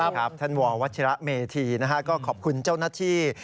ใช่ครับท่านววเมธีนะครับก็ขอบคุณเจ้าหน้าที่